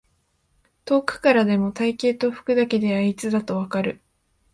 遠くからでも体型と服だけであいつだとわかる